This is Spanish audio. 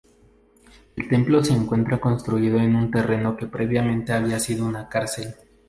El templo se encuentra construido en un terreno que previamente había sido una cárcel.